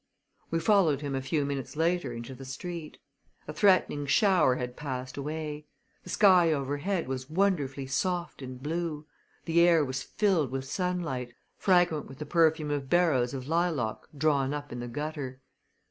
We followed him a few minutes later into the street. A threatening shower had passed away. The sky overhead was wonderfully soft and blue; the air was filled with sunlight, fragrant with the perfume of barrows of lilac drawn up in the gutter.